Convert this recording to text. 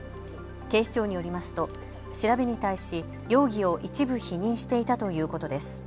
警視庁によりますと調べに対し容疑を一部、否認していたということです。